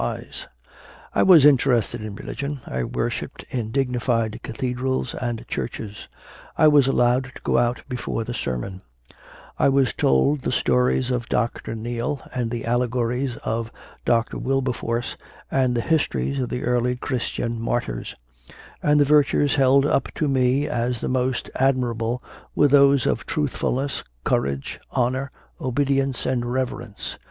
6 CONFESSIONS OF A CONVERT I was interested in religion; I worshipped in dig nified cathedrals and churches; I was allowed to go out before the sermon; I was told the stories of Dr. Neale and the allegories of Dr. Wilberforce and the histories of the early Christian martyrs; and the virtues held up to me as the most admirable were those of truthfulness, courage, honour, obedi ence, and reverence.